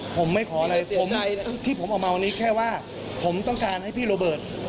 ผมไม่ขออะไรผมที่ผมออกมาวันนี้แค่ว่าผมต้องการให้พี่โรเบิร์ต